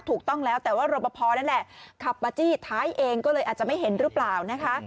ถูกต้องแล้วแต่ว่ารบพอนั่นแหละขับมาจี้ท้ายเองก็เลยอาจจะไม่เห็นหรือเปล่านะคะ